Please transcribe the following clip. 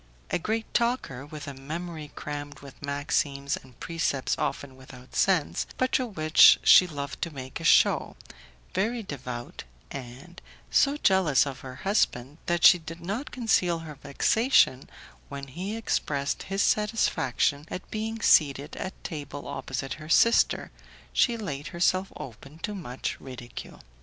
A great talker, with a memory crammed with maxims and precepts often without sense, but of which she loved to make a show, very devout, and so jealous of her husband that she did not conceal her vexation when he expressed his satisfaction at being seated at table opposite her sister, she laid herself open to much ridicule.